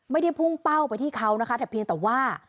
ไม่ได้พุ่งเป้าไปที่เขานะคะแต่เพียงแต่ว่า